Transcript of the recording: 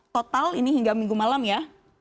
total ini hingga minggu malam ya